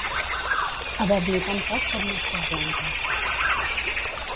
Haver-n'hi tan poc com mosques blanques.